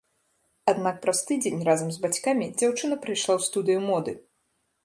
Аднак праз тыдзень разам з бацькамі дзяўчына прыйшла ў студыю моды.